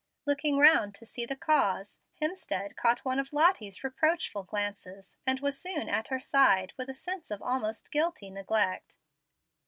Looking round to see the cause, Hemstead caught one of Lottie's reproachful glances, and was soon at her side with a sense of almost guilty neglect.